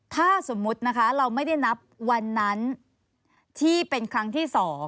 ถ้าสมมุตินะคะเราไม่ได้นับวันนั้นที่เป็นครั้งที่๒